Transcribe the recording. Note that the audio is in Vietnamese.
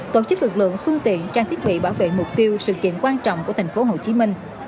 tổ chức lực lượng phương tiện trang thiết bị bảo vệ mục tiêu sự kiện quan trọng của tp hcm